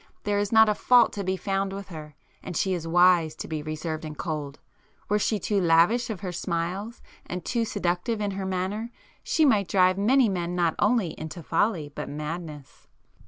There is not a fault to be found with her. And she is wise to be reserved and cold—were she too lavish of her smiles and too seductive in manner, she might drive many men not only into folly, but madness."